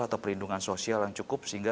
atau perlindungan sosial yang cukup sehingga